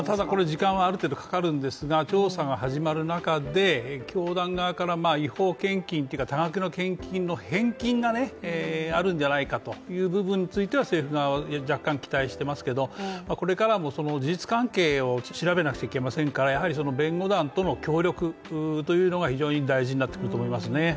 時間はある程度かかるんですが調査が始まる中で教団側から違法献金というか多額の献金の返金があるんじゃないかという部分については政府側は若干期待していますがこれからも事実関係を調べなくてはなりませんからやはり弁護団との協力というのが非常に大事になってくると思いますね。